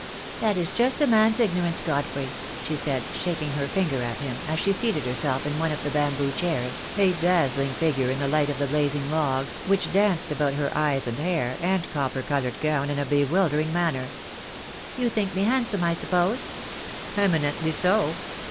"That is just a man's ignorance, Godfrey," she said, shaking her finger at him, as she seated herself in one of the bamboo chairs, a dazzling figure in the light of the blazing logs, which danced about her eyes and hair THE DAY WILL COME. 43 and copper coloured gown in a bewildering manner. "You think me handsome, I suppose?'"' ''Eminently so."